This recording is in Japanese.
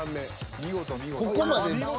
見事見事。